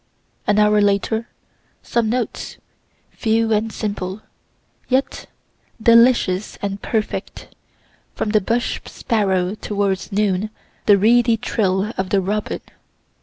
An hour later, some notes, few and simple, yet delicious and perfect, from the bush sparrow towards noon the reedy trill of the robin.